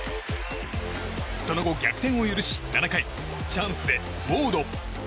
その後、逆転を許し７回チャンスでウォード。